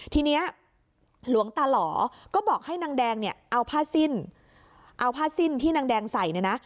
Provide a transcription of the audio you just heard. ทีนี้หลวงตาหล่อก็บอกให้นางแดงเนี่ยเอาผ้าสิ้นเอาผ้าสิ้นที่นางแดงใส่เนี่ยนะ